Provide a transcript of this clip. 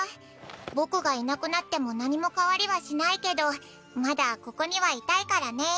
僕がいなくなっても何も変わりはしないけどまだここにはいたいからね。